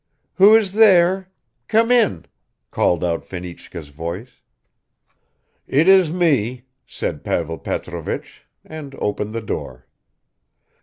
"Who is there? Come in," called out Fenichka's voice. "It is me," said Pavel Petrovich, and opened the door.